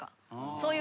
そういう。